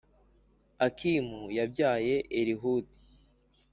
Akimu yabyaye Elihudi,